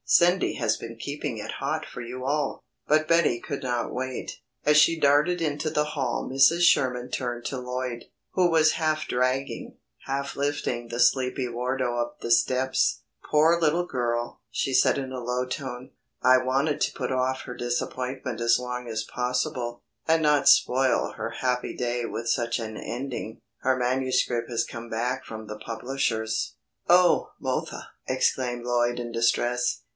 Cindy has been keeping it hot for you all." But Betty could not wait. As she darted into the hall Mrs. Sherman turned to Lloyd, who was half dragging, half lifting the sleepy Wardo up the steps. "Poor little girl," she said in a low tone. "I wanted to put off her disappointment as long as possible, and not spoil her happy day with such an ending. Her manuscript has come back from the publishers." "Oh, mothah!" exclaimed Lloyd in distress.